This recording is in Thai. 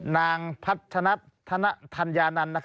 นางพรรถนะธญานันต์